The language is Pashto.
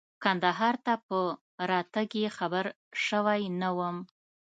کندهار ته په راتګ یې خبر شوی نه وم.